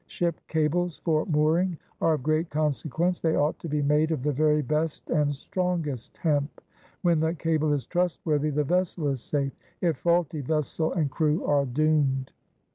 " Ship cables for mooring are of great consequence; they ought to be made of the very best and strongest hemp. When the cable is trustworthy, the vessel is safe; if faulty, vessel and crew are doomed."